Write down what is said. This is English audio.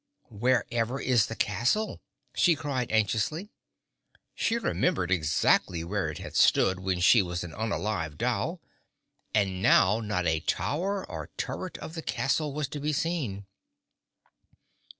"Wherever is the castle?" she cried anxiously. She remembered exactly where it had stood when she was an unalive doll and now not a tower or turret of the castle was to be seen.